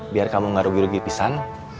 biar kamu gak rugi rugi pisang